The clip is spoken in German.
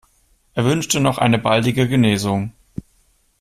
Er wünschte noch eine baldige Genesung.